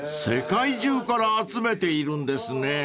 ［世界中から集めているんですね］